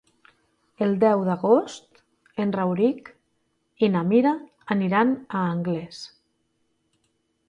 El deu d'agost en Rauric i na Mira aniran a Anglès.